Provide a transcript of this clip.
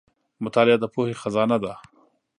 • مطالعه د پوهې خزانه ده.